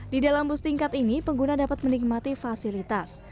di dalam bus tingkat ini pengguna dapat menikmati fasilitas